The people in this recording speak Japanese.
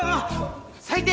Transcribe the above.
最低！